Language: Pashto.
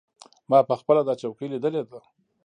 ما پخپله دا چوکۍ لیدلې ده.